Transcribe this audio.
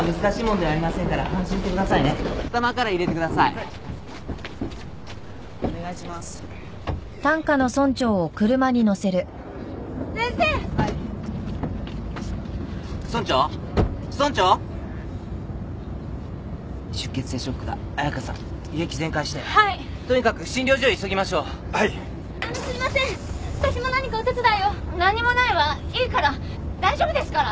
いいから大丈夫ですから。